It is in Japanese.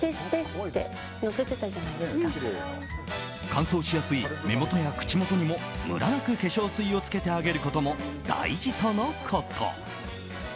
乾燥しやすい目元や口元にもムラなく化粧水を付けてあげることも大事とのこと。